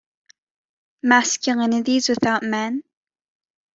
Masculinities without Men?